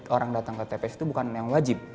orang datang ke tps itu bukan yang wajib